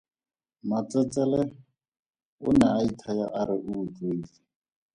Matsetsele o ne a ithaya a re o utlwile.